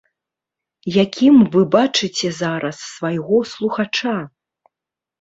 Якім вы бачыце зараз свайго слухача?